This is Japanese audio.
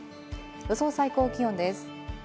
予想最高気温です。